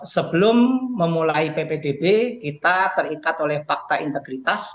sebelum memulai ppdb kita terikat oleh fakta integritas